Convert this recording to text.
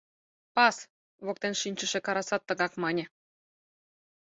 — Пас, — воктен шинчыше Карасат тыгак мане.